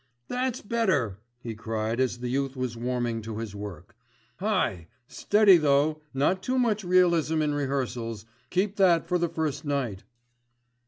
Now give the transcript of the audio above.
"That's better," he cried as the youth was warming to his work. "Hi! steady though, not too much realism in rehearsals, keep that for the first night."